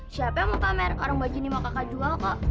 siapa yang mau pamer orang baju ini mau kakak jual kok